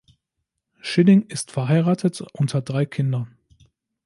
Schilling ist verheiratet und hat drei Kinder.